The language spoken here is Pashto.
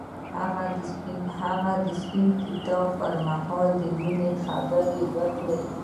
هغه د سپین کتاب پر مهال د مینې خبرې وکړې.